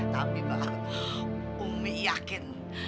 tapi bakal umi yakin